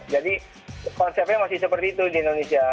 jadi konsepnya masih seperti itu di indonesia